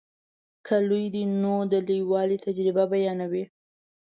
که لوی دی نو د لویوالي تجربه بیانوي.